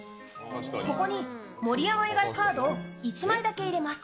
ここに「盛山以外」カードを１枚だけ入れます。